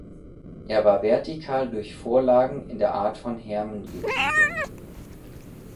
Er war vertikal durch Vorlagen in der Art von Hermen gegliedert.